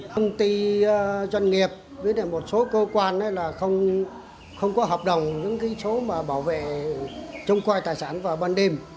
công ty doanh nghiệp với một số cơ quan không có hợp đồng những số bảo vệ trung quanh tài sản vào ban đêm